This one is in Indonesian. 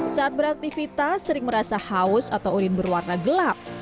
saat beraktivitas sering merasa haus atau urin berwarna gelap